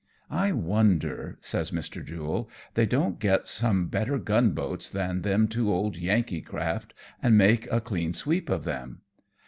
" I wonder/' says Mr. Jule, " they don't get some better gun boats than them two old Yankee craft, and make a clean sweep of them."